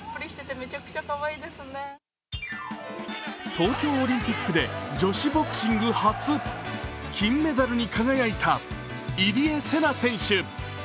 東京オリンピックで女子ボクシング初、金メダルに輝いた入江聖奈選手。